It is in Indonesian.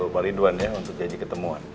pak ridwan ya untuk janji ketemuan